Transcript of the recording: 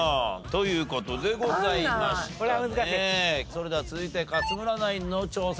それでは続いて勝村ナインの挑戦です。